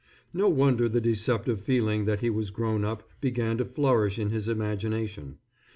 No wonder the deceptive feeling that he was grown up began to flourish in his imagination.